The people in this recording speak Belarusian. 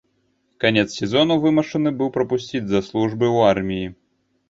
Канец сезону вымушаны быў прапусціць з-за службы ў арміі.